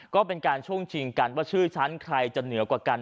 ก็เป็นการช่วงชิงกันว่าชื่อฉันใครจะเหนือกว่ากัน